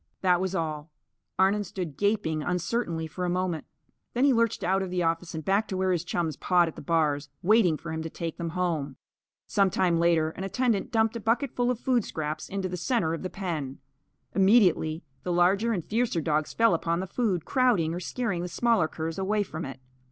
That was all. Arnon stood gaping uncertainly, for a moment. Then he lurched out of the office and back to where his chums pawed at the bars, waiting for him to take them home. Some time later, an attendant dumped a bucketful of food scraps into the centre of the pen. Immediately the larger and fiercer dogs fell upon the food, crowding or scaring the smaller curs away from it.